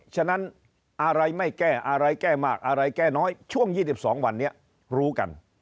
ฉะนั้นอะไรไม่แก้อะไรแก้มากอะไรแก้น้อยช่วง๒๒วันนี้รู้กัน